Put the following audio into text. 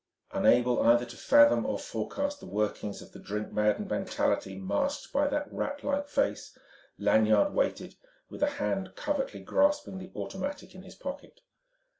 Unable either to fathom or forecast the workings of the drink maddened mentality masked by that rat like face, Lanyard waited with a hand covertly grasping the automatic in his pocket.